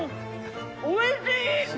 おいしい！